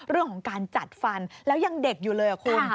เรื่องของการจัดฟันแล้วยังเด็กอยู่เลยคุณ